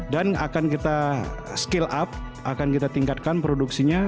dan akan kita skill up akan kita tingkatkan produksinya